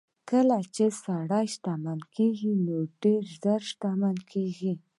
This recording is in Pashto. کله چې سړی شتمن کېږي نو ډېر ژر شتمن کېږي.